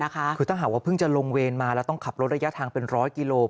คือถ้าหากว่าเพิ่งจะลงเวรมาแล้วต้องขับรถระยะทางเป็น๑๐๐กิโล